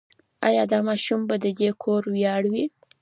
ایا دا ماشوم به د دې کور ویاړ وي؟